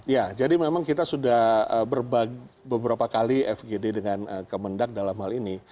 ya jadi memang kita sudah beberapa kali fgd dengan kemendak dalam hal ini